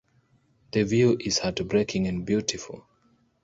The view is heartbreaking and beautiful.